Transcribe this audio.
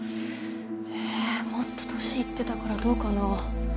えぇもっと年いってたからどうかな。